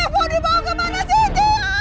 mau dibawa kemana cynthia